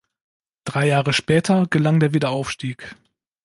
Drei Jahre später gelang der Wiederaufstieg.